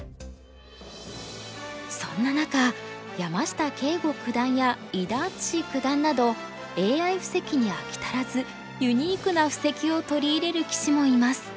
そんな中山下敬吾九段や伊田篤史九段などＡＩ布石に飽き足らずユニークな布石を取り入れる棋士もいます。